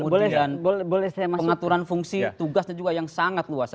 pengaturan fungsi tugasnya juga yang sangat luas